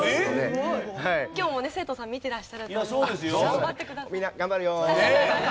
今日もね生徒さん見てらっしゃると思いますので頑張ってください。